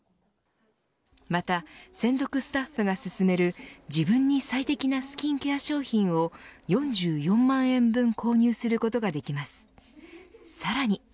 また、専属スタッフが薦める自分に最適なスキンケア商品を４４万円分購入することができます。